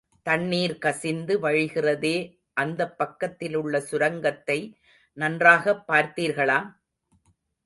தண்ணீர் கசிந்து வழிகின்றதே அந்தப் பக்கத்திலுள்ள சுரங்கத்தை நன்றாகப் பார்த்தீர்களா?